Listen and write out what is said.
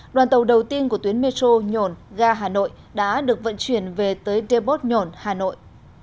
đoàn tàu đầu tiên của tuyến metro nhổn ga hà nội đã được vận chuyển về tới deport nhổn hà nội